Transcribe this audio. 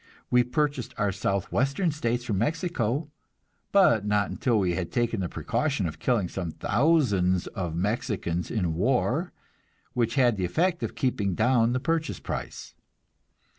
We purchased our Southwestern states from Mexico, but not until we had taken the precaution of killing some thousands of Mexicans in war, which had the effect of keeping down the purchase price.